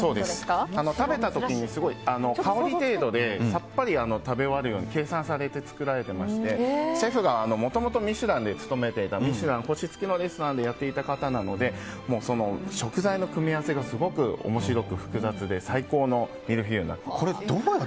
食べた時に香り程度でさっぱり食べ終わるように計算されて作られていてシェフがもともと「ミシュラン」星付きのレストランでやっていた方なので食材の組わせがすごく面白く複雑で最高のミルフィーユになっています。